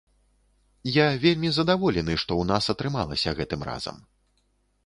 Я вельмі задаволены, што ў нас атрымалася гэтым разам.